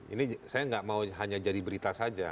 ini saya nggak mau hanya jadi berita saja